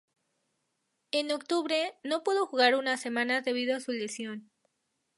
En octubre, no pudo jugar unas semanas debido a una lesión.